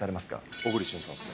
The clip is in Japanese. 小栗旬さんですね。